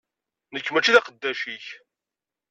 Nekk mačči d aqeddac-ik.